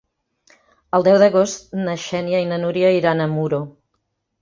El deu d'agost na Xènia i na Núria iran a Muro.